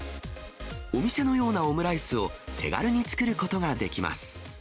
お店のようなオムライスを手軽に作ることができます。